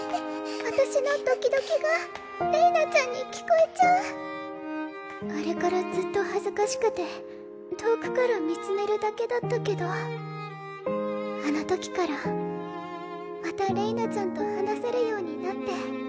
これ以上近くにいたらあれからずっと恥ずかしくて遠くから見つめるだけだったけどあのときからまたれいなちゃんと話せるようになって。